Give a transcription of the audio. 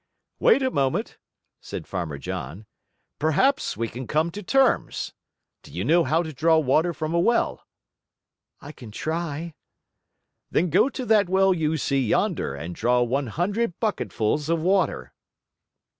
"Wait a moment," said Farmer John. "Perhaps we can come to terms. Do you know how to draw water from a well?" "I can try." "Then go to that well you see yonder and draw one hundred bucketfuls of water."